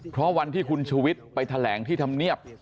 เพราะวันที่คุณชุวิตไปแถลงที่ทำเงียบ